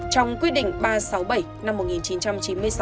trong quyết định ba trăm sáu mươi bảy năm một nghìn chín trăm chín mươi sáu